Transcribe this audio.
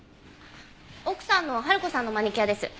奥さんの春子さんのマニキュアです。